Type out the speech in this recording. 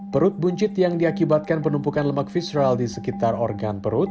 perut buncit yang diakibatkan penumpukan lemak visral di sekitar organ perut